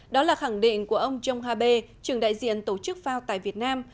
đó là khẳng định của ông trong hà bê trưởng đại diện tổ chức fao tại việt nam